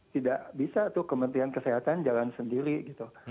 tidak bisa tuh kementerian kesehatan jalan sendiri gitu